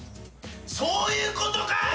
そういうことかい！？